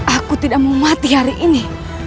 aku tidak mau mati hari ini